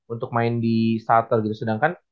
untuk main di shuttle gitu sedangkan